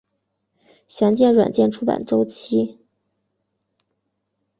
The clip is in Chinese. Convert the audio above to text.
详见软件出版周期。